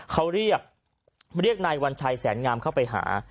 เขาเรียกเรียกนายวัญชัยแสนงามเข้าไปหา